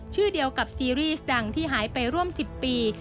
ชื่อเดียวกับซีรีส์ดังที่หายไปร่วม๑๐ปี